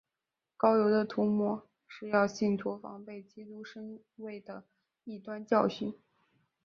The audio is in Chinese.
膏油的涂抹是要信徒防备基督身位的异端教训。